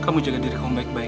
kamu jaga diri kamu baik baik ya